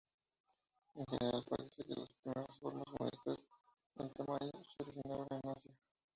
En general parece que las primeras formas, modestas en tamaño, se originaron en Asia.